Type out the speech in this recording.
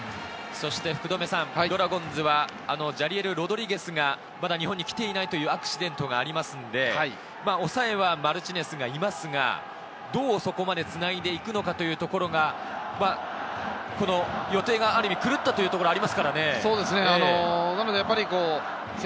そしてドラゴンズはジャリエル・ロドリゲスがまだ日本に来ていないというアクシデントがありますので、抑えはマルティネスがいますが、どうそこまでつないでいくのかというところが、予定がある意味狂ったというところがありますからね。